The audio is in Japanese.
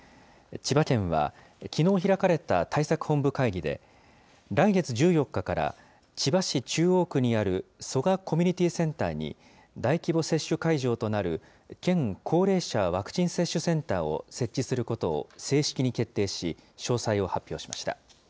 千葉県は、きのう開かれた対策本部会議で、来月１４日から千葉市中央区にある蘇我コミュニティセンターに、大規模接種会場となる、県高齢者ワクチン接種センターを設置することを正式に決定し、詳細を発表しました。